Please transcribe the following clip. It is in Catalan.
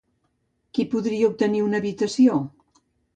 Qui podrà obtenir una habitació?